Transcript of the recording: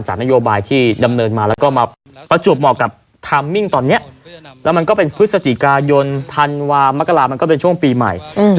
เหมาะกับตอนเนี้ยแล้วมันก็เป็นมันก็เป็นช่วงปีใหม่อืม